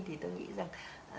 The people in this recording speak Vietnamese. thì tôi nghĩ rằng